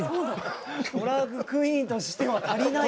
ドラァグクイーンとしては足りない。